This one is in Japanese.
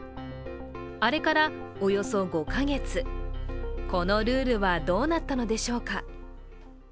あれからおよそ５か月このルールはどうなったのでしょうか。